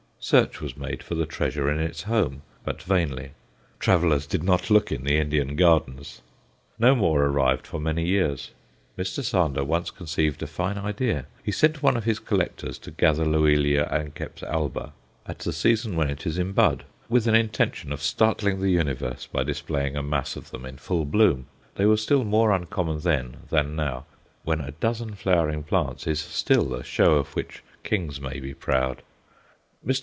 Search was made for the treasure in its home, but vainly; travellers did not look in the Indian gardens. No more arrived for many years. Mr. Sander once conceived a fine idea. He sent one of his collectors to gather Loelia a. alba at the season when it is in bud, with an intention of startling the universe by displaying a mass of them in full bloom; they were still more uncommon then than now, when a dozen flowering plants is still a show of which kings may be proud. Mr.